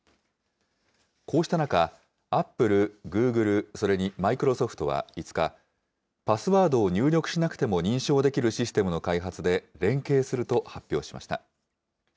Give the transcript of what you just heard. こうした中、アップル、グーグル、それにマイクロソフトは５日、パスワードを入力しなくても認証できるシステムの開発で連携すると発表しました。